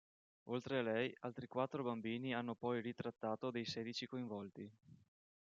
Oltre a lei, altri quattro bambini hanno poi ritrattato dei sedici coinvolti.